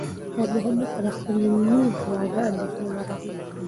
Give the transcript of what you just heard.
خیر محمد ته د خپلې لور د واده اندېښنه ورغله.